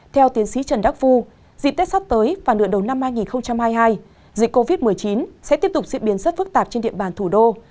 theo tiến sĩ trần đắc phu dịp tết sắp tới và nửa đầu năm hai nghìn hai mươi hai dịch covid một mươi chín sẽ tiếp tục diễn biến rất phức tạp trên địa bàn thủ đô